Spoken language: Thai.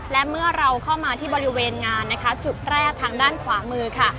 และเมื่อเราเข้ามาที่บริเวณงานนะคะจุดแรกทางด้านขวามือค่ะ